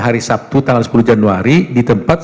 hari sabtu tanggal sepuluh januari di tempat